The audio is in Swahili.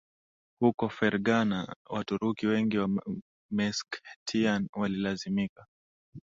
huko Fergana Waturuki wengi wa Meskhetian walilazimika